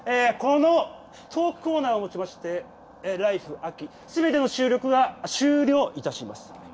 このトークコーナーをもちまして「ＬＩＦＥ！秋」すべての収録は終了いたします。